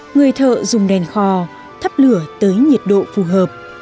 người thợ dùng đèn khò thắp lửa tới nhiệt độ phù hợp